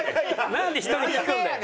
なんで人に聞くんだよ？